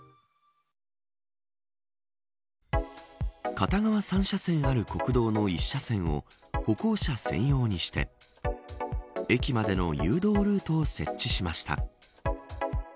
片側３車線ある国道の１車線を歩行者専用にして駅までの誘導ルートを設置しました。